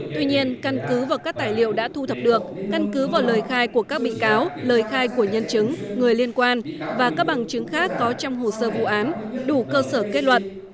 tuy nhiên căn cứ và các tài liệu đã thu thập được căn cứ vào lời khai của các bị cáo lời khai của nhân chứng người liên quan và các bằng chứng khác có trong hồ sơ vụ án đủ cơ sở kết luận